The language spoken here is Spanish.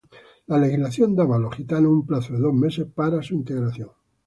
La legislación daba a los gitanos un plazo de dos meses para su integración.